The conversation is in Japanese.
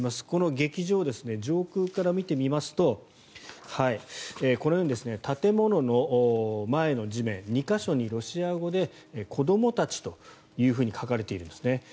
この劇場、上空から見てみますとこのように建物の前の地面２か所にロシア語で「子どもたち」と書かれているんですね。